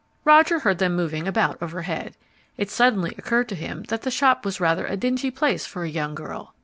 Roger heard them moving about overhead. It suddenly occurred to him that the shop was rather a dingy place for a young girl.